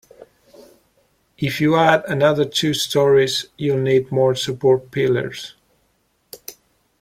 If you add another two storeys, you'll need more support pillars.